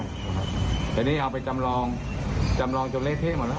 แต่นี่เอาไปจำลองจำลองจนเละเทะหมดแล้ว